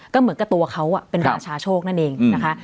ก็เหมือนกับตัวเขาเป็นราชาโชคนั่นเองนะคะ